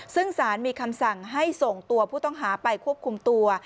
ซึ่งสารมีคำสั่งให้ส่งตัวผู้ต้องหาไปควบคุมตัว